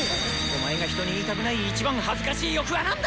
お前が人に言いたくない一番恥ずかしい欲は何だ